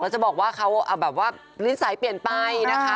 จะบอกว่าเขาแบบว่านิสัยเปลี่ยนไปนะคะ